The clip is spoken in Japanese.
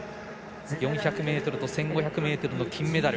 ４００ｍと１５００ｍの金メダル。